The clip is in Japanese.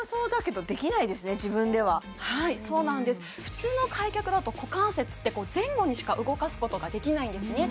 普通の開脚だと股関節って前後にしか動かすことができないんですね